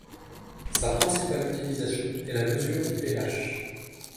Sa principale utilisation est la mesure du pH.